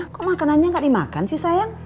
kok makanannya gak dimakan sih sayang